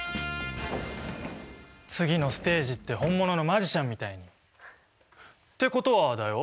次のステージって本物のマジシャンみたいに。ってことはだよ